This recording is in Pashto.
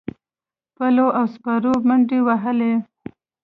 پلو او سپرو منډې وهلې.